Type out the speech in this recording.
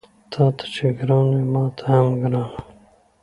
تاته چې ګران وي ماته هم ګران وي